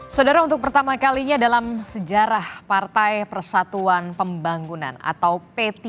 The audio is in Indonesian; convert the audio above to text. saudara untuk pertama kalinya dalam sejarah partai persatuan pembangunan atau p tiga